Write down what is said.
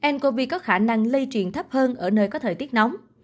ncov có khả năng lây truyền thấp hơn ở nơi có thời tiết nóng